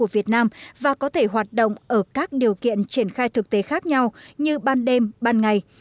việt nam và có thể hoạt động ở các điều kiện triển khai thực tế khác nhau như ban đêm ban ngày